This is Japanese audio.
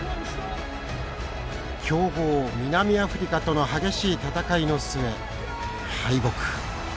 強豪南アフリカとの激しい戦いの末敗北。